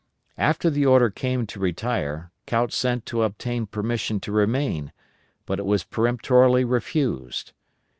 After the order came to retire, Couch sent to obtain permission to remain, but it was peremptorily refused.